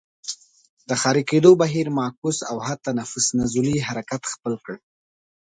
د ښاري کېدو بهیر معکوس او حتی نفوس نزولي حرکت خپل کړ.